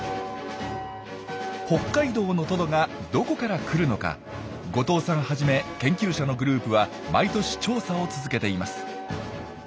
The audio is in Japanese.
北海道のトドがどこから来るのか後藤さんはじめ研究者のグループは毎年調査を続けています。